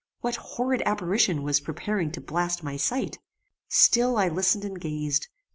What horrid apparition was preparing to blast my sight? Still I listened and gazed.